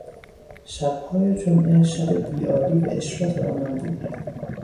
شبهای جمعه، شب بیعاری و عشرت آنان بود.